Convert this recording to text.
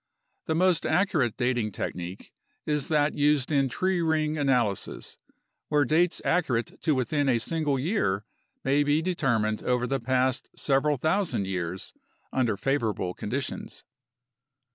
The most accurate dating technique is that used in tree ring analysis, where dates accurate to within a single year may be determined over the past several thousand years under favorable conditions.